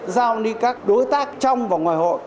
giao lý các đối tác trong và ngoài hội